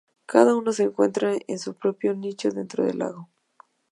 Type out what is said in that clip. Cada uno se encuentra en su propio nicho dentro del lago.